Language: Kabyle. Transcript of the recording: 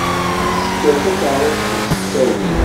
Sker takaṛust-ik s ttawil?